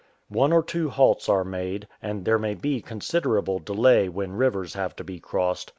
One or two halts are made, and there may be considerable delay when rivers have to be crossed.